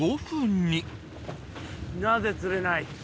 なぜ釣れない？